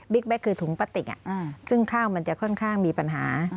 แก๊กคือถุงปลาติกซึ่งข้าวมันจะค่อนข้างมีปัญหา